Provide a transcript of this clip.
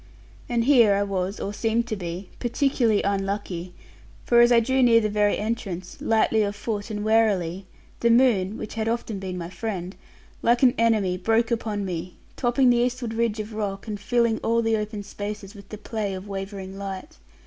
And here I was, or seemed to be, particularly unlucky; for as I drew near the very entrance, lightly of foot and warily, the moon (which had often been my friend) like an enemy broke upon me, topping the eastward ridge of rock, and filling all the open spaces with the play of wavering light.